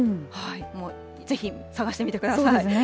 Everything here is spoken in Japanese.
もうぜひ、探してみてください。